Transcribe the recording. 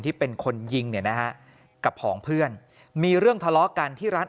ที่เป็นคนยิงเนี่ยนะฮะกับผองเพื่อนมีเรื่องทะเลาะกันที่ร้าน